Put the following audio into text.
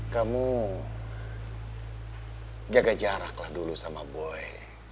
kamu jaga jaraklah dulu sama boy